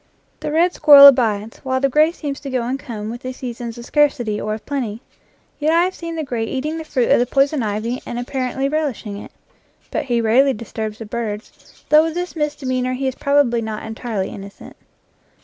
The red squirrel abides, while the gray seems to go and come with the seasons of scarcity or of plenty. Yet I have seen the gray eating the fruit of the poison ivy and apparently relish ing it. But he rarely disturbs the birds, though of this misdemeanor he is probably not entirely innocent.